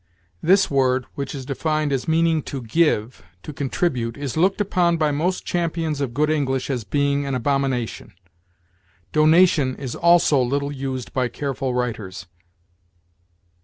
This word, which is defined as meaning to give, to contribute, is looked upon by most champions of good English as being an abomination. Donation is also little used by careful writers.